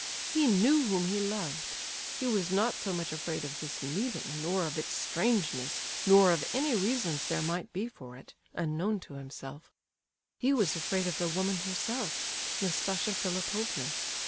He knew whom he loved. He was not so much afraid of this meeting, nor of its strangeness, nor of any reasons there might be for it, unknown to himself; he was afraid of the woman herself, Nastasia Philipovna.